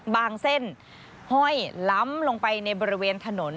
เส้นห้อยล้ำลงไปในบริเวณถนน